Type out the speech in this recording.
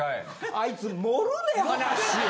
・あいつ盛るねん話を！